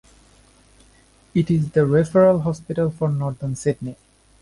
It is the referral hospital for Northern Sydney.